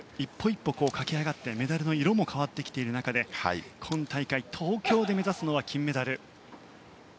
一歩、駆け上がってメダルの色も変わってきている中で今大会、東京で目指すのは金メダル。